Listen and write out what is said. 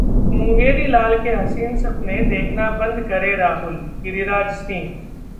मुंगेरी लाल के हसीन सपने देखना बंद करें राहुल- गिरिराज सिंह